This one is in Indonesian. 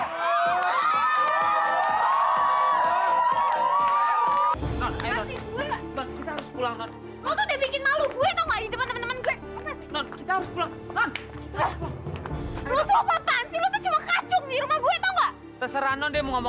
kenapa rasanya bisaeye